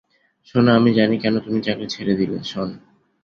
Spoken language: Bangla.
শোনো, আমি জানি কেন তুমি চাকরি ছেড়ে ছিলে, শন।